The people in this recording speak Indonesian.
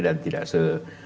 dan tidak se